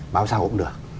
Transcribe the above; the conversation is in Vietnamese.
bao sao cũng được